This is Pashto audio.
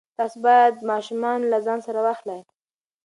تاسو باید ماشومان له ځان سره واخلئ.